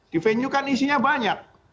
di venue kan isinya banyak